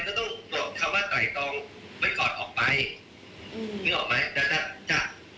ก็ต้องบอกเขาว่าตายตองไม่กอดออกไปอืมนึกออกไหมจ๊ะจ๊ะจ๊ะ